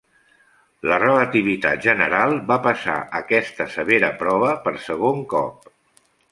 La relativitat general va passar aquesta severa prova per segon cop.